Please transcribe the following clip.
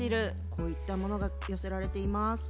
こういったものが寄せられています。